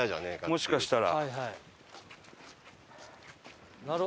もしかしたら。